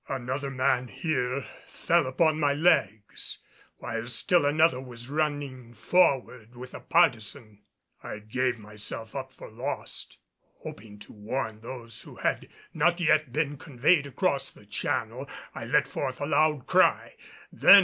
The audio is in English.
Another man here fell upon my legs, while still another was running forward with a partisan. I gave myself up for lost. Hoping to warn those who had not yet been conveyed across the channel, I let forth a loud cry.